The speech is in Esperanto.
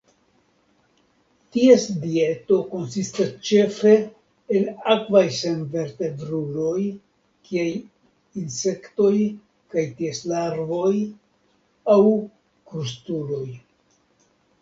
Ties dieto konsistas ĉefe el akvaj senvertebruloj kiaj insektoj kaj ties larvoj, aŭ krustuloj.